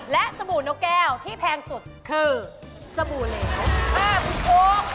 และสบู่นกแก้วที่แพงสุดคือสบู่เหลว๕บู